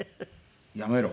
「やめろ」。